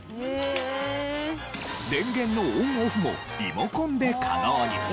電源のＯＮＯＦＦもリモコンで可能に。